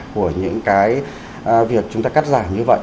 của những cái việc chúng ta cắt giảm như vậy